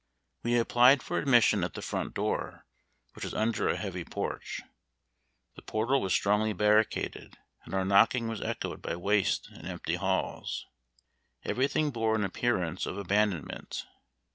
We applied for admission at the front door, which was under a heavy porch. The portal was strongly barricaded, and our knocking was echoed by waste and empty halls. Every thing bore an appearance of abandonment.